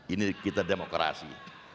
ini kita demokrasi